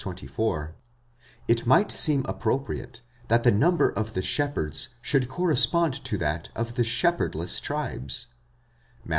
24), it might seem appropriate that the' number of the shepherds should correspond to that of the shepherdless tribes (Matt.